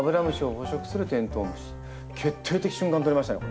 決定的瞬間撮りましたね。